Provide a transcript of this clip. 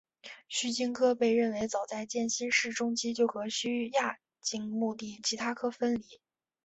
须鲸科被认为早在渐新世中期就和须鲸亚目的其他科分离。